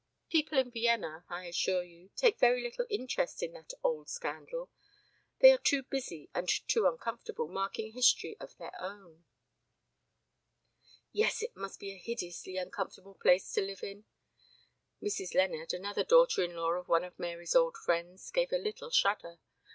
"People in Vienna, I assure you, take very little interest in that old scandal. They are too busy and too uncomfortable making history of their own." "Yes, it must be a hideously uncomfortable place to live in." Mrs. Leonard, another daughter in law of one of Mary's old friends, gave a little shudder.